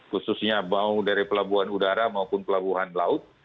khususnya dari pelaburan udara maupun pelaburan laut